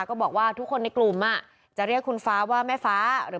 ก็บอกว่าทุกคนในกลุ่มจะเรียกคุณฟ้าว่าแม่ฟ้าหรือ